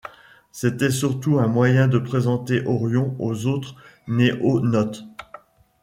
C'était surtout un moyen de présenter Orion aux autres NoéNautes.